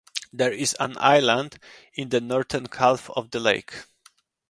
There is an island in the northern half of the lake.